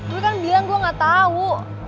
gue kan bilang gue gak tahu